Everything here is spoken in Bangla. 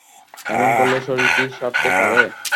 এমন করলে শরীর কি সারতে পারে!